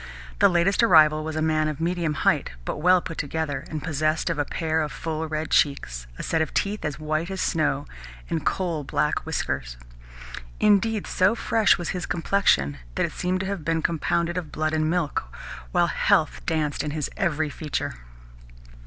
The latest arrival was a man of medium height, but well put together, and possessed of a pair of full red cheeks, a set of teeth as white as snow, and coal black whiskers. Indeed, so fresh was his complexion that it seemed to have been compounded of blood and milk, while health danced in his every feature.